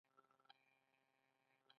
واسطه بازي حق خوري.